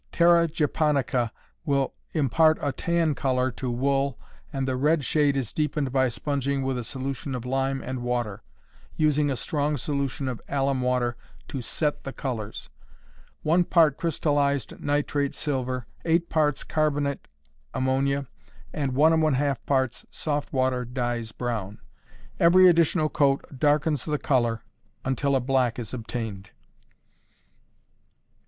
Terra japonica will impart a "tan color" to wool, and the red shade is deepened by sponging with a solution of lime and water, using a strong solution of alum water to "set" the colors; 1 part crystallized nitrate silver, 8 parts carbonate ammonia, and 1½ parts of soft water dyes brown; every additional coat darkens the color until a black is obtained.